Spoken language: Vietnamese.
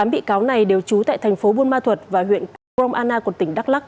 tám bị cáo này đều trú tại thành phố buôn ma thuật và huyện gromana của tỉnh đắk lắc